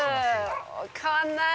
変わんない。